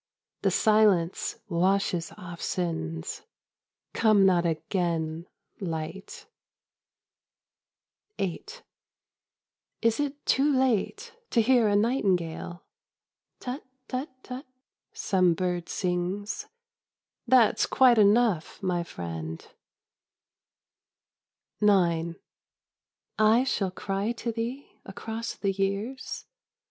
The silence washes off sins : Come not again. Light ! Japanese Hokkus 125 VIII It is too late to hear a nightingale ? Tut, tut, tut, ... some bird sings, —• That's quite enough, my friend. IX I shall cry to thee across the years